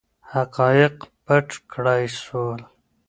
حقایق پټ کړای سول.